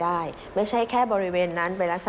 และเข้ามาประสานกับเขาว่าเขาจะเอาสินค้าอันนั้นขึ้นในเว็บไซต์